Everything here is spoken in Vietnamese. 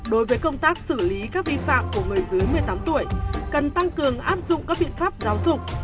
đối với công tác xử lý các vi phạm của người dưới một mươi tám tuổi cần tăng cường áp dụng các biện pháp giáo dục